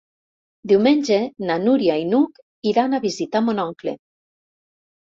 Diumenge na Núria i n'Hug iran a visitar mon oncle.